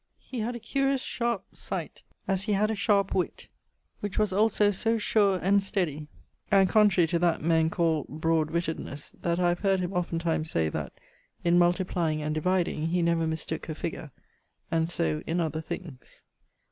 He had a curious sharp sight, as he had a sharpe witt, which was also so sure and steady (and contrary to that men call brodwittednes) that I have heard him oftentimes say that inmultiplying and dividing he never mistooke a figure: and so in other things.